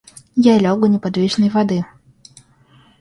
Я лег у неподвижной воды.